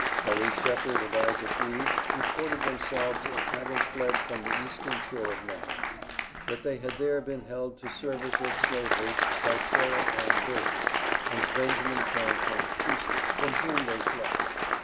PERRY SHEPHARD and ISAAC REED reported themselves as having fled from the Eastern Shore of Maryland; that they had there been held to service or Slavery by Sarah Ann Burgess, and Benjamin Franklin Houston, from whom they fled.